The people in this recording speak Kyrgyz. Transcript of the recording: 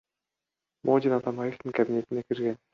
Модин Атамбаевдин кабинетине кирген.